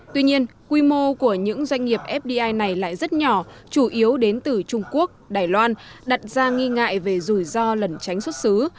tuy nhiên quy mô của những doanh nghiệp fdi này lại rất nhỏ chủ yếu đến từ trung quốc đài loan đặt ra nghi ngại về rủi ro lẩn tránh xuất xứ